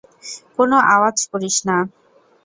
কোনো আওয়াজ করিস না।